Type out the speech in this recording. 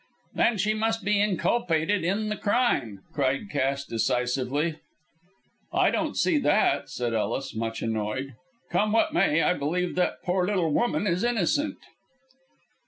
"Then she must be inculpated in the crime," cried Cass, decisively. "I don't see that," said Ellis, much annoyed. "Come what may, I believe that poor little woman is innocent."